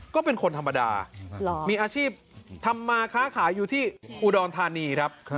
ก็เป็นคนธรรมดามีอาชีพทำมาค้าขายอยู่ที่อุดรธานีครับ